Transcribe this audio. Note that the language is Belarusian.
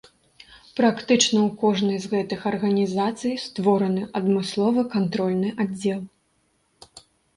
Практычна ў кожнай з гэтых арганізацый створаны адмысловы кантрольны аддзел.